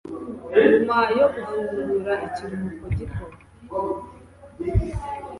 nyuma yo gufungura ikiruhuko gito,